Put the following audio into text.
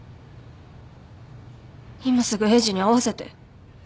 今すぐエイジに会わせて。